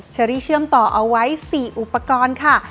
เชอรี่เชื่อมต่อเอาไว้๔อุปกรณ์ค่ะ